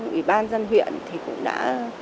ủy ban dân huyện thì cũng đã